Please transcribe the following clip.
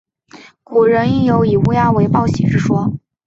古人亦有以乌鸦为报喜之说。